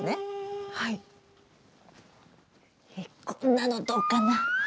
こんなのどうかな？